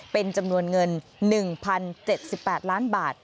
เป็นจำนวนเงิน๑๐๗๘ล้านบาท